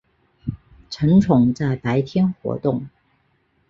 成虫在白天活动。